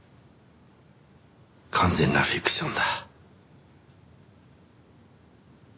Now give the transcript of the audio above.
完全なフィクションだ。